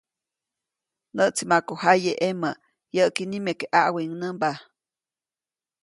Näʼtsi maku jaye ʼemä, yäʼki nimeke ʼaʼwiŋnämba.